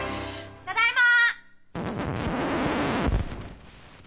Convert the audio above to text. ただいま！